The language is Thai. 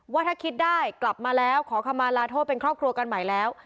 ว่าถ้าคิดได้กลับมาแล้วขอคำมาลาโทษเป็นครอบครัวกันใหม่แล้ว